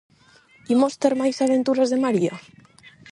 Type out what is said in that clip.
Imos ter máis aventuras de María?